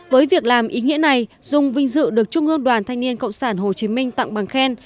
với việc làm ý nghĩa này dung vinh dự được trung ương đoàn thanh niên cộng sản hồ chí minh tặng bằng khen